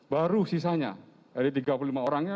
baru sisanya jadi tiga puluh lima orang